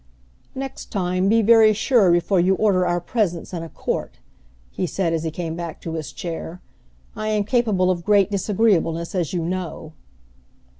"Next time, be very sure before you order our presence in court," he said as he came back to his chair. "I am capable of great disagreeableness, as you know."